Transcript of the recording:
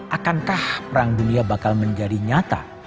akankah perang dunia bakal menjadi nyata